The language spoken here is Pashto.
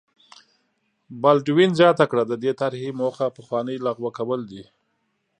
بالډوین زیاته کړه د دې طرحې موخه پخوانۍ لغوه کول دي.